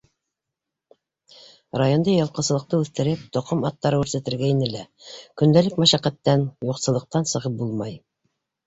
Районда йылҡысылыҡты үҫтереп, тоҡом аттары үрсетергә ине лә - көндәлек мәшәҡәттән, юҡсыллыҡтан сығып булмай.